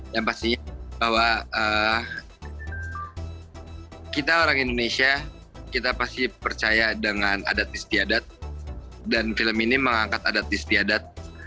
yang pastinya bahwa kita orang indonesia kita pasti percaya dengan adat istiadat dan film ini mengangkat adat istiadat